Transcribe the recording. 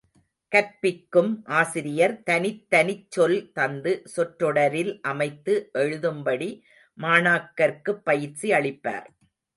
கற்பிக்கும் ஆசிரியர், தனித் தனிச் சொல் தந்து சொற்றொடரில் அமைத்து எழுதும்படி மாணாக்கர்க்குப் பயிற்சி அளிப்பார்.